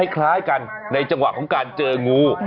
คล้ายกันในจังหวะของการเจองู